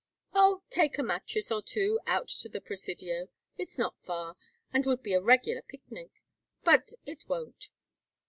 "Oh, take a mattress or two out to the Presidio. It's not far, and would be a regular picnic. But it won't."